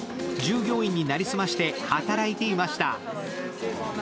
従業員に成り済まして働いていました。